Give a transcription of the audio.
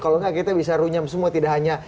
kalau enggak kita bisa runyam semua tidak hanya